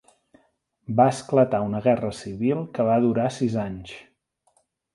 Va esclatar una guerra civil que va durar sis anys.